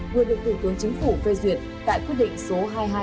vừa được tổng thống chính phủ phê duyệt tại quyết định số hai nghìn hai trăm ba mươi tám